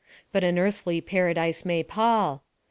But an earthly paradise may pall.